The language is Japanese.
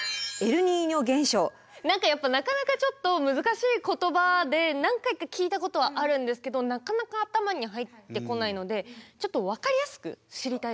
何かやっぱなかなかちょっと難しい言葉で何回か聞いたことはあるんですけどなかなか頭に入ってこないのでちょっと分かりやすく知りたいです。